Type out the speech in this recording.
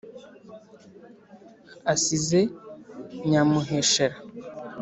asize nyamuheshera